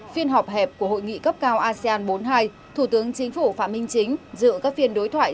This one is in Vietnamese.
phiên họp hẹp của hội nghị cấp cao asean bốn mươi hai thủ tướng chính phủ phạm minh chính dự các phiên đối thoại